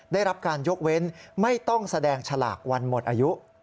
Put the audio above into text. ได้รับการยกเว้นไม่ต้องแสดงฉลากวันหมดอายุ